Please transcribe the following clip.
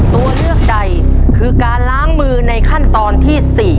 ตัวเลือกใดคือการล้างมือในขั้นตอนที่๔